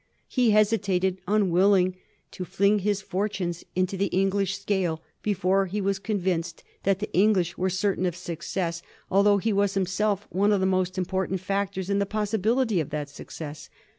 He hesitated, unwilling to fling his fortunes into the English scale before he was convinced that the English were certain of success, al though he was himself one of the most important fac tors in the possibility of that success.